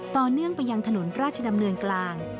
ต่อเนื่องไปยังถนนราชดำเนินกลาง